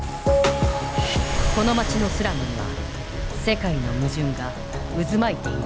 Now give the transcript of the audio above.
この街のスラムには世界の矛盾が渦巻いている。